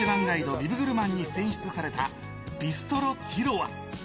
ビブグルマンに選出されたビストロ・ティロワ。